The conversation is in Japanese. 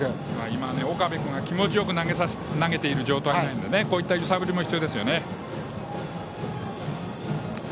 今、岡部君が気持ちよく投げてる状態なのでこういった揺さぶりも必要ですね。